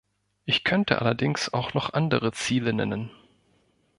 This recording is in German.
Ich könnte allerdings auch noch andere Ziele nennen.